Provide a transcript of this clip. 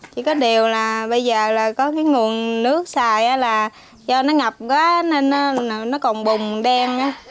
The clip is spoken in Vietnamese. chỉ có điều là bây giờ có nguồn nước sạch do nó ngập quá nên nó còn bùng đen